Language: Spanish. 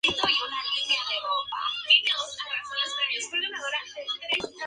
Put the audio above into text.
Él tiene el pelo marrón en punta.